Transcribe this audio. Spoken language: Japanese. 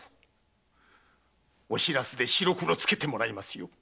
お白洲で白黒つけてもらいますよ！